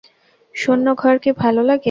শূন্য ঘর কি ভালো লাগে?